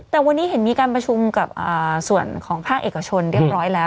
แต่วันนี้เห็นมีการประชุมกับส่วนของภาคเอกชนเรียบร้อยแล้ว